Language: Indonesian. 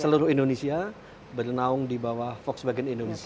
seluruh indonesia bernaung di bawah volkswagen indonesia